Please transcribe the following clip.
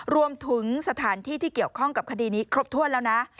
รวมถึงสถานที่ที่เกี่ยวข้องกับคดีนี้ครบถ้วนแล้วนะ